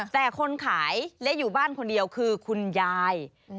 แต่คนขายและอยู่บ้านคนเดียวคือคุณยาย